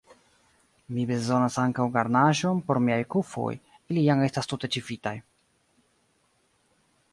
Mi bezonas ankaŭ garnaĵon por miaj kufoj, ili jam estas tute ĉifitaj.